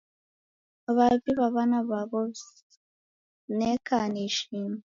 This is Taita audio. W'avi na w'ana w'awo w'inekane ishima